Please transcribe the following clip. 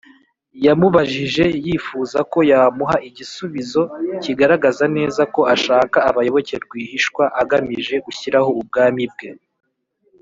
yamubajije yifuza ko yamuha igisubizo kigaragaza neza ko ashaka abayoboke rwihishwa, agamije gushyiraho ubwami bwe